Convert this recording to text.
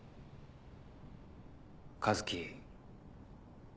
一樹。